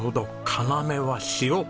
要は塩。